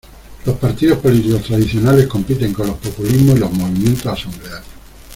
Los partidos políticos tradicionales compiten con los populismos y los movimientos asamblearios.